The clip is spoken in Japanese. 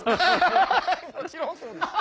もちろんそうですハハハ！